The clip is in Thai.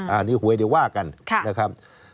อันนี้หวยเดี๋ยวว่ากันนะครับ